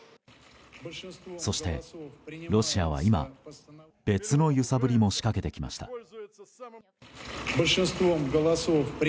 そしてロシアは今別の揺さぶりも仕掛けてきました。